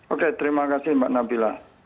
oke terima kasih mbak nabila